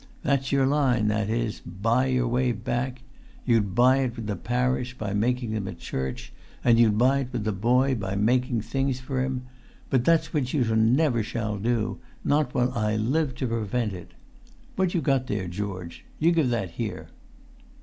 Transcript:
That's your line, that is—buy your way back! You'd buy it with the parish, by making them a church; and you'd buy it with the boy, by making things for him; but that's what you never shall do, not while I live to prevent it ... What you got there, George? You give that here!"